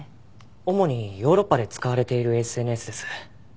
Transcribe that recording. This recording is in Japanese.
主にヨーロッパで使われているＳＮＳです。